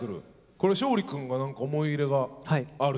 これ勝利君が何か思い入れがあるという？